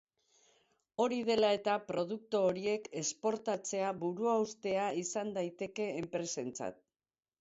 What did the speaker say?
Hori dela eta, produktu horiek esportatzea buruhaustea izan daiteke enpresentzat.